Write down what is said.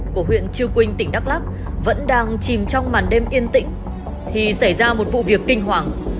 của huyện chư quynh tỉnh đắk lắc vẫn đang chìm trong màn đêm yên tĩnh thì xảy ra một vụ việc kinh hoàng